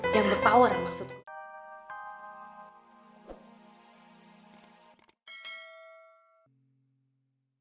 yang berpower maksudku